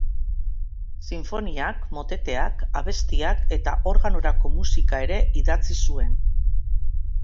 Sinfoniak, moteteak, abestiak eta organorako musika ere idatzi zuen.